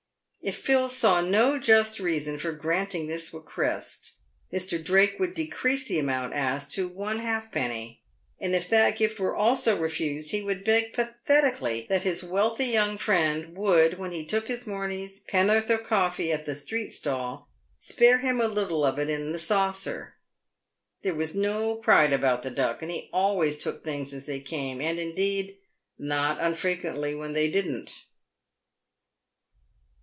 If Phil saw no just reason for granting this request, Mr. Drake would decrease the amount asked for to one halfpenny, and if that gift was also refused, he would beg pathetically that his wealthy young friend would, when he took his morning's pen'orth of coffee at the street stall, spare him a little of it in the saucer. There was no pride about the Duck, and he always took things as they came, and, indeed, not unfrequently when they didn't.